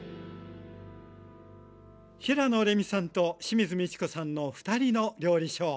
平野レミさんと清水ミチコさんの「ふたりの料理ショー」。